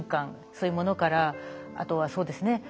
そういうものからあとはそうですね